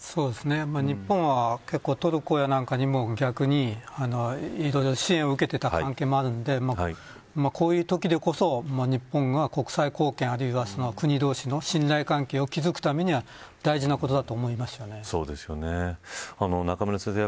日本はトルコなんかにも逆に、いろいろ支援を受けていたこともあるのでこういうときこそ日本が国際貢献あるいは、国同士の信頼関係を築くためには中村先生